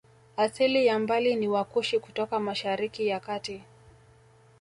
Asili ya mbali ni Wakushi kutoka Mashariki ya Kati